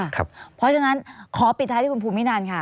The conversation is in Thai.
เพราะฉะนั้นขอปิดท้ายที่คุณภูมินันค่ะ